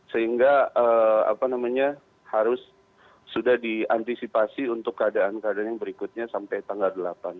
sehingga harus sudah diantisipasi untuk keadaan keadaan yang berikutnya sampai tanggal delapan